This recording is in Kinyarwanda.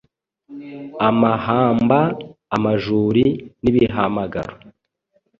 Amahamba, amajuri n’ibihamagaro